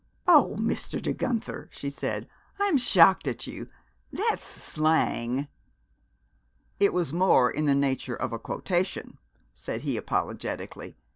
"Oh, Mr. De Guenther!" she said, "I am shocked at you! That's slang!" "It was more in the nature of a quotation," said he apologetically.